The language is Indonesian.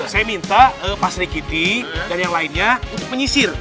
saya minta pak sri kiti dan yang lainnya untuk menyisir